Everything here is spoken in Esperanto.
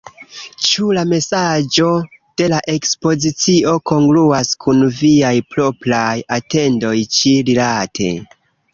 Ĉu la mesaĝo de la ekspozicio kongruas kun viaj propraj atendoj ĉi-rilate?